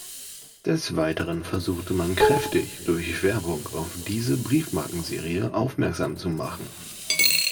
Des Weiteren versuchte man kräftig durch Werbung auf diese Briefmarkenserie aufmerksam zu machen.